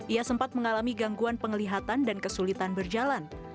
ia sempat mengalami gangguan penglihatan dan kesulitan berjalan